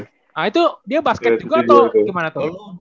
nah itu dia basket juga atau gimana tuh